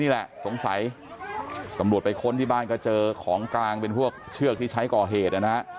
นี่แหละสงสัยตำรวจไปค้นที่บ้านก็เจอของกลางเป็นพวกเชือกที่ใช้ก่อเหตุนะฮะ